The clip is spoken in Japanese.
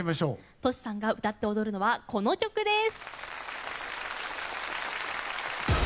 Ｔｏｓｈｌさんが歌って踊るのはこの曲です。